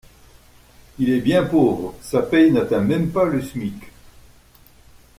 Il est bien pauvre, sa paye n’atteint même pas le SMIC.